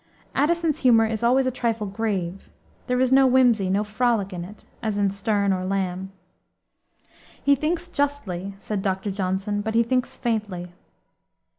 Addison's humor is always a trifle grave. There is no whimsy, no frolic in it, as in Sterne or Lamb. "He thinks justly," said Dr. Johnson, "but he thinks faintly."